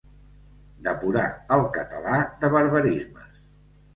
Depurar el català de barbarismes.